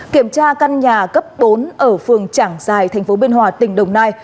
kiểm tra căn nhà cấp bốn ở phường trảng giài thành phố biên hòa tỉnh đồng nai